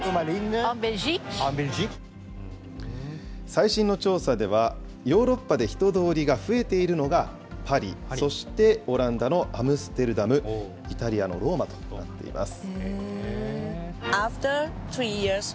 最新の調査では、ヨーロッパで人通りが増えているのがパリ、そしてオランダのアムステルダム、イタリアのローマとなっています。